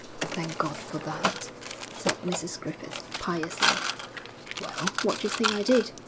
'Thank God for that!' said Mrs Griffith, piously. 'Well, what d'you think I did?